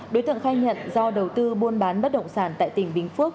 đối tượng khai nhận do đầu tư buôn bán bất động sản tại tỉnh bình phước